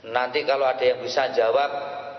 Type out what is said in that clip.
nanti kalau ada yang bisa jawab